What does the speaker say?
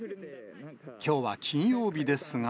きょうは金曜日ですが。